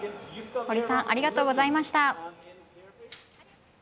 堀さんありがとうございました。